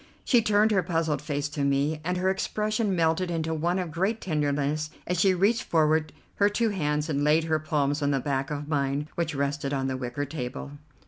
She turned her puzzled face to me, and her expression melted into one of great tenderness as she reached forward her two hands and laid her palms on the back of mine, which rested on the wicker table.